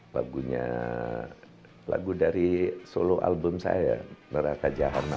lagunya lagu dari solo album saya neraka jaharma